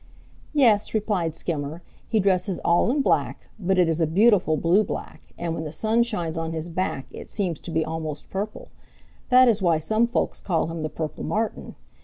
"Yes," replied Skimmer, "he dresses all in black, but it is a beautiful blue black, and when the sun shines on his back it seems to be almost purple. That is why some folks call him the Purple Martin.